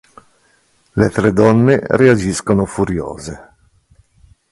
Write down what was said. Le tre donne reagiscono furiose.